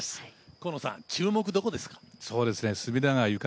河野さん、注目はどこですか。